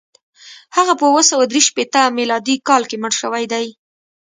هغه په اووه سوه درې شپېته میلادي کال کې مړ شوی دی.